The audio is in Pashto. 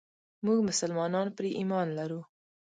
موږ مسلمانان پرې ايمان لرو.